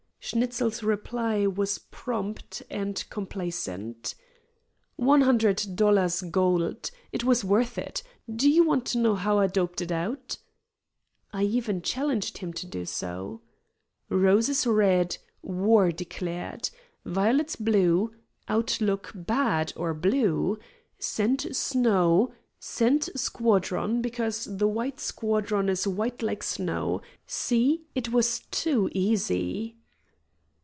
Schnitzel's reply was prompt and complacent. "One hundred dollars gold. It was worth it. Do you want to know how I doped it out?" I even challenged him to do so. "'Roses red' war declared; 'violets blue' outlook bad, or blue; 'send snow' send squadron, because the white squadron is white like snow. See? It was too easy."